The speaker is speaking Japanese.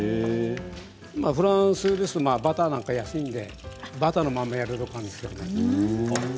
フランスですとバターなんかは安いのでバターのまま焼くのもあるんですけどね。